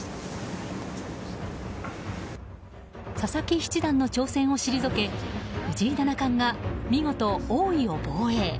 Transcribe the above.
佐々木七段の挑戦を退け藤井七冠が見事、王位を防衛。